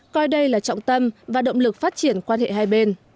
coi đây là trọng tâm và động lực phát triển quan hệ hai bên